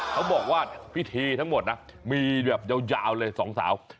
เขาบอกว่าพิธีทั้งหมดนะมีแบบยาวเลยสองสาว